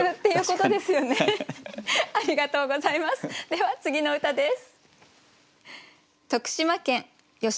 では次の歌です。